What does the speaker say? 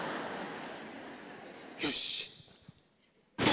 よし！